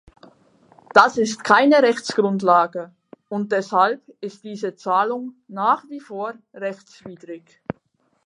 Das ist keine Rechtsgrundlage und deshalb ist diese Zahlung nach wie vor rechtswidrig.